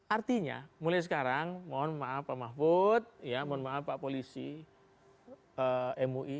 artinya mulai sekarang mohon maaf pak mahfud ya mohon maaf pak polisi mui